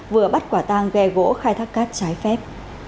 vừa bắt quả tang ghe gỗ khai thác cát trái phép